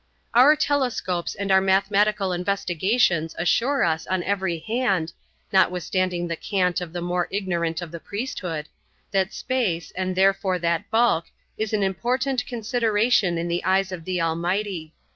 Our telescopes and our mathematical investigations assure us on every hand—notwithstanding the cant of the more ignorant of the priesthood—that space, and therefore that bulk, is an important consideration in the eyes of the Almighty.